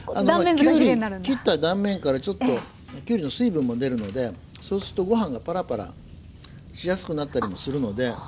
きゅうり切った断面からちょっときゅうりの水分も出るのでそうするとご飯がパラパラしやすくなったりもするので。